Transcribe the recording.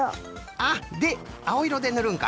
あっであおいろでぬるんか。